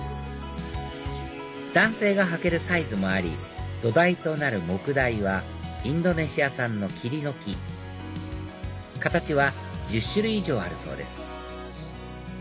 男性が履けるサイズもあり土台となる木台はインドネシア産のキリの木形は１０種類以上あるそうです